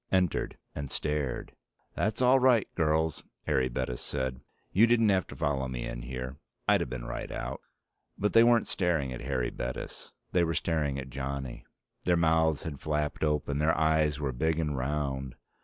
Entered and stared. "That's all right, girls," Harry Bettis said. "You didn't have to follow me in here. I'd have been right out." But they weren't staring at Harry Bettis. They were staring at Johnny. Their mouths had flapped open, their eyes were big and round.